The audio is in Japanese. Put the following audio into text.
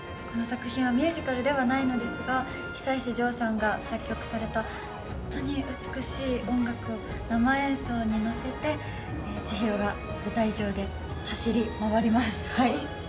この作品はミュージカルではないのですが久石譲さんが作曲されたホントに美しい音楽生演奏に乗せて千尋が舞台上で走り回ります。